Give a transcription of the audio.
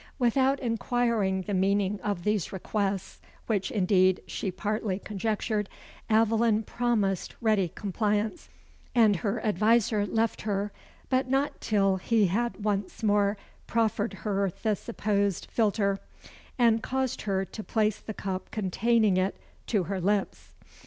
Without inquiring the meaning of these requests, which, indeed, she partly conjectured, Aveline promised ready compliance; and her adviser left her, but not till he had once more proffered her the supposed philter, and caused her to place the cup containing it to her lips.